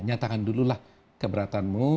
nyatakan dulu lah keberatanmu